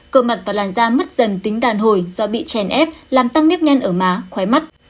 cờ mặt và làn da mất dần tính đàn hồi do bị chèn ép làm tăng nếp nhăn ở má khoái mắt